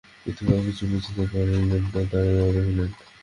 বিধবা কিছুই বুঝিতে পারিলেন না, দাঁড়াইয়া রহিলেন।